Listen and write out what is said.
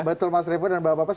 betul mas revo dan bapak bapak